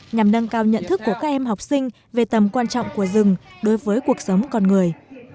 nhằm nâng cao nhận thức của các em học sinh về tầm quan trọng của rừng đối với cuộc sống con người